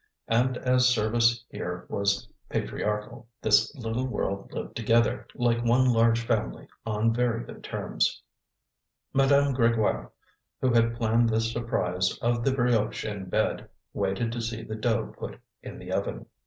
And as service here was patriarchal, this little world lived together, like one large family, on very good terms. Madame Grégoire, who had planned this surprise of the brioche in bed, waited to see the dough put in the oven.